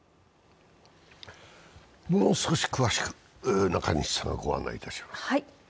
もう少し詳しく中西さんがご案内いたします。